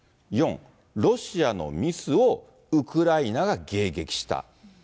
４、ロシアのミスをウクライナが迎撃した。